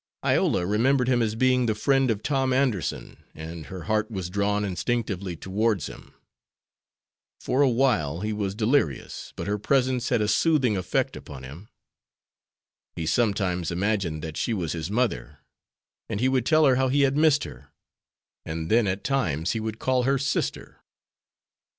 Iola remembered him as being the friend of Tom Anderson, and her heart was drawn instinctively towards him. For awhile he was delirious, but her presence had a soothing effect upon him. He sometimes imagined that she was his mother, and he would tell her how he had missed her; and then at times he would call her sister.